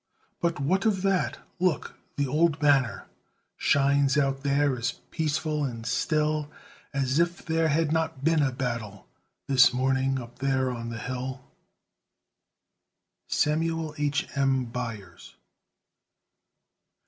"But what of that? Look! the old banner Shines out there as peaceful and still As if there had not been a battle This morning up there on the hill." SAMUEL H. M. BYERS.